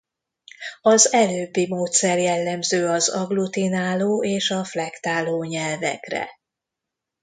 Az előbbi módszer jellemző az agglutináló és a flektáló nyelvekre.